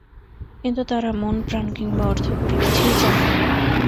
কিন্তু তাঁরা মনপ্রাণ কিংবা অর্থকড়ি কিছুই চান না।